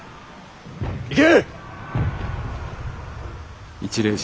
行け！